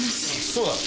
あそうだ。